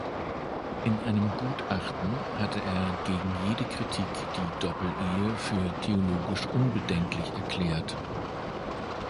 In einem Gutachten hatte er gegen jede Kritik die Doppelehe für theologisch unbedenklich erklärt.